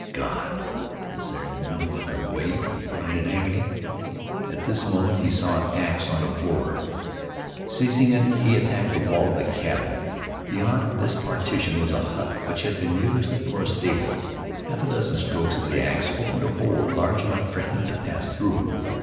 "God! Is there no other way?" he cried in agony. At this moment he saw an ax on the floor. Seizing it he attacked the wall of the cabin. Beyond this partition was a hut which had been used for a stable. Half a dozen strokes of the ax opened a hole large enough for him to pass through.